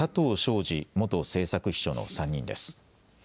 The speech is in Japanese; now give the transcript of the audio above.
志元政策秘書の３人です。